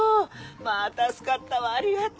まぁ助かったわありがとう。